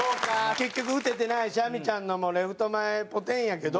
結局打ててないし亜美ちゃんのもレフト前ポテンやけど。